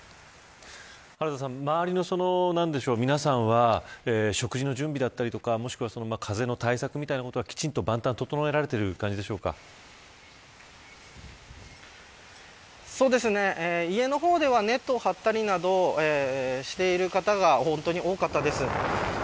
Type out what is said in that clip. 原田さん、周りの皆さんは、食事の準備だったりとか、もしくは風の対策はきちんと整えられているそうですね、家の方ではネットを張ったりなどしている方が多かったです。